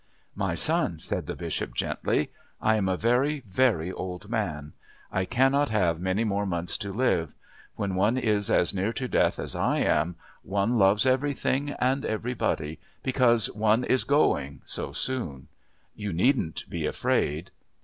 "My son," said the Bishop gently, "I am a very, very old man. I cannot have many more months to live. When one is as near to death as I am, one loves everything and everybody, because one is going so soon. You needn't be afraid."